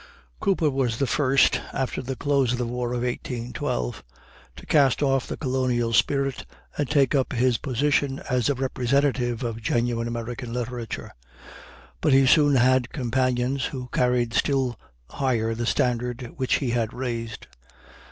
Cooper was the first, after the close of the war of 1812, to cast off the colonial spirit and take up his position as a representative of genuine American literature; but he soon had companions, who carried still higher the standard which he had raised.